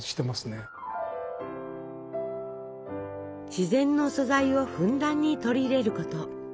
自然の素材をふんだんに取り入れること。